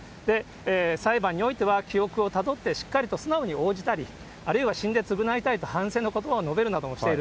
裁判においては記憶をたどって、しっかりと素直に応じたり、あるいは死んで償いたいと反省のことばを述べるなどもしている。